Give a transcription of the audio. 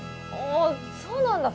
あそうなんだ